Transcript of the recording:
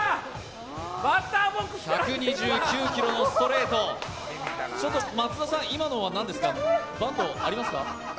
１２９キロのストレート、今のは何ですか、バントはありますか？